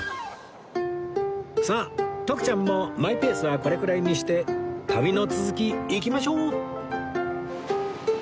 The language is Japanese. さあ徳ちゃんもマイペースはこれくらいにして旅の続きいきましょう